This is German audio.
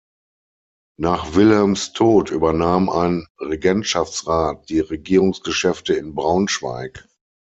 Nach Wilhelms Tod übernahm ein Regentschaftsrat die Regierungsgeschäfte in Braunschweig.